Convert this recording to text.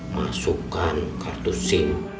masukkan kartu sim